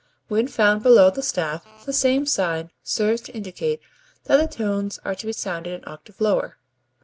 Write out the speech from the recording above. When found below the staff the same sign serves to indicate that the tones are to be sounded an octave lower.